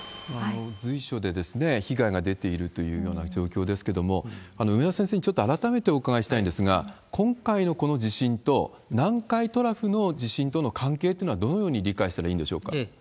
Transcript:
随所で被害が出ているというような状況ですけども、梅田先生にちょっと改めてお伺いしたいんですが、今回のこの地震と、南海トラフの地震との関係っていうのはどのように理解したらいい